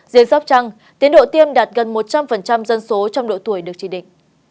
riêng sắp trăng tiến độ tiêm đạt gần một trăm linh dân số trong độ tuổi được tri định